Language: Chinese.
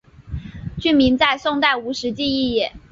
郡名在宋代无实际意义。